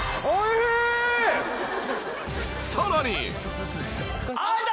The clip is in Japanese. さらに。